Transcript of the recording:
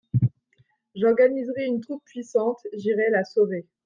J'organiserais une troupe puissante ; j'irais la sauver.